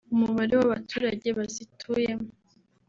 umubare w’abaturage bazituyemo